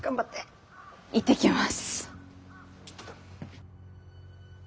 行ってきます。